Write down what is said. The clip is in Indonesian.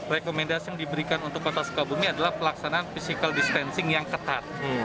rekomendasi yang diberikan untuk kota sukabumi adalah pelaksanaan physical distancing yang ketat